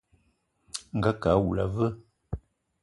Angakë awula a veu?